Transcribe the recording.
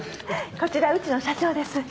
こちらうちの社長です。